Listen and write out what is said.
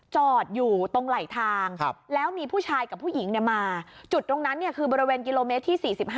จอดอยู่ตรงไหลทางแล้วมีผู้ชายกับผู้หญิงมาจุดตรงนั้นคือบริเวณกิโลเมตรที่๔๕